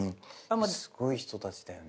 すごい人たちだよね。